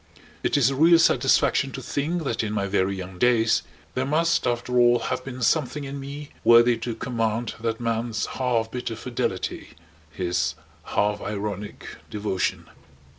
It is a real satisfaction to think that in my very young days there must, after all, have been something in me worthy to command that man's half bitter fidelity, his half ironic devotion.